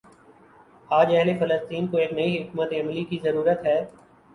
آج اہل فلسطین کو ایک نئی حکمت عملی کی ضرورت ہے۔